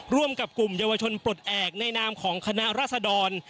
ร่วมกับกลุ่มเยาวชนปลดแอบในนามของคณะราษดร